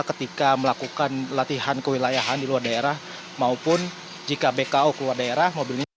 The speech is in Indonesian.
ketika melakukan latihan kewilayahan di luar daerah maupun jika bko keluar daerah mobilnya